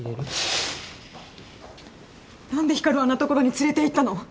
何で光をあんな所に連れていったの？